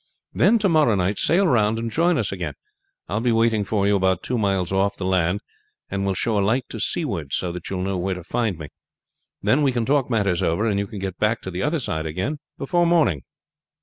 Then to morrow night sail round and join us again. I will be waiting for you about two miles off the land, and will show a light to seaward so that you will know where to find me. Then we can talk matters over, and you can get back to the other side again before morning."